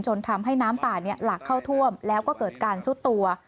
ทำให้น้ำป่าหลากเข้าท่วมแล้วก็เกิดการซุดตัว